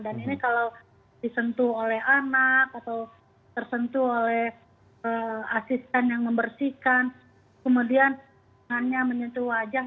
dan ini kalau disentuh oleh anak atau tersentuh oleh asisten yang membersihkan kemudian tangannya menyentuh wajah